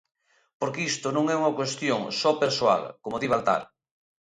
Porque isto non é unha cuestión só persoal, como di Baltar.